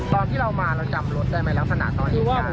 ตอนที่เรามาเราจำรถได้ไหมแล้วภานะตอนเอง